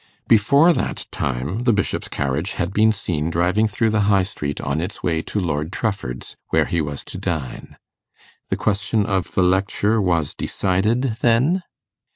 Before that time, the Bishop's carriage had been seen driving through the High Street on its way to Lord Trufford's, where he was to dine. The question of the lecture was decided, then?